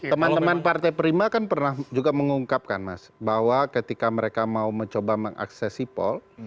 teman teman partai prima kan pernah juga mengungkapkan mas bahwa ketika mereka mau mencoba mengakses sipol